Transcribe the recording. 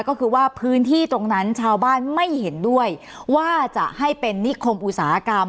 ก็คือว่าพื้นที่ตรงนั้นชาวบ้านไม่เห็นด้วยว่าจะให้เป็นนิคมอุตสาหกรรม